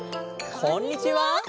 こんにちは。